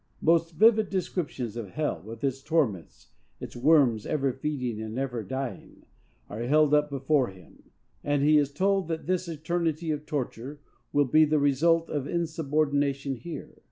Most vivid descriptions of hell, with its torments, its worms ever feeding and never dying, are held up before him; and he is told that this eternity of torture will be the result of insubordination here.